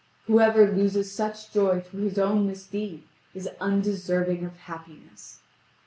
Whoever loses such joy through his own misdeed is undeserving of happiness."